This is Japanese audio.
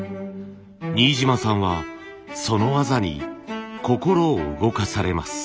新島さんはその技に心を動かされます。